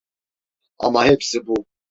Ama hepsi bu.